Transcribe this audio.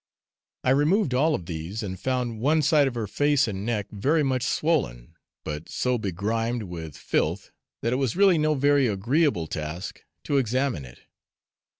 I removed all these, and found one side of her face and neck very much swollen, but so begrimed with filth that it was really no very agreeable task to examine it.